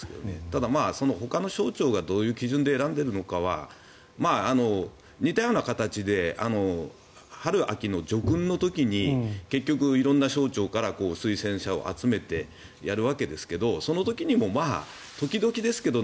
ただ、ほかの省庁がどういう基準で選んでいるのかは似たような形で春、秋の叙勲の時に結局、色んな省庁から推薦者を集めてやるわけですがその時にも、時々ですけど